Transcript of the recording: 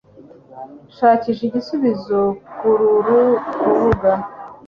shakisha igisubizo kururu rubuga